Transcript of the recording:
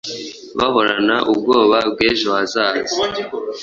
bahorana ubwoba bw'ejo hazaza